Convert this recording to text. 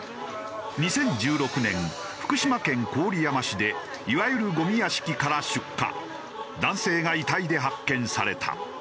２０１６年福島県郡山市でいわゆる男性が遺体で発見された。